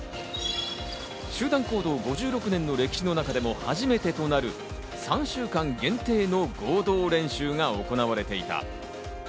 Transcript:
集団行動５６年の歴史の中でも初めてとなる３週間限定の合同練習が行われていた。